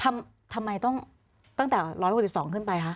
อ่าทำไมตั้งแต่๑๖๒เซนติเมตรขึ้นไปคะ